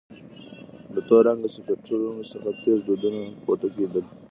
له تور رنګه سکروټو څخه تېز دودونه پورته کېدل.